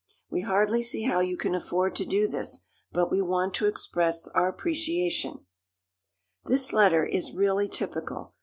We hardly see how you can afford to do this, but we want to express our appreciation." This letter is really typical.